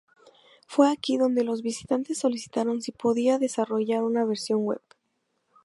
Fue aquí donde los visitantes solicitaron si podía desarrollar una versión web.